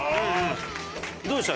どうでした？